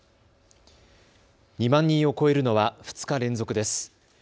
２万人を超えるのは２日連続です。